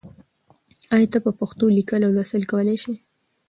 آیا ته په پښتو لیکل او لوستل کولای شې؟